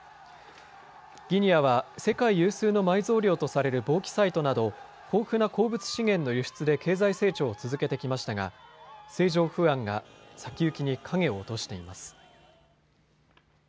ギニアは世界有数の埋蔵量とされるボーキサイトなど豊富な鉱物資源の輸出で経済成長を続けてきましたが政情不安が先行きに影を落としています。